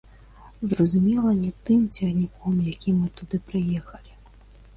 Зразумела, не тым цягніком, якім мы туды прыехалі.